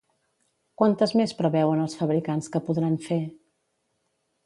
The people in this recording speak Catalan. Quantes més preveuen els fabricants que podran fer?